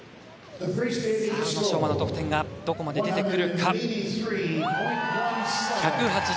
宇野昌磨の得点がどこまで出てくるか。